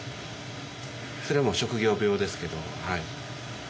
それもう職業病ですけど。